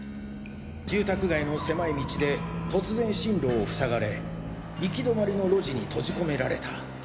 住宅街の狭い道で突然進路をふさがれ行き止まりの路地に閉じ込められた。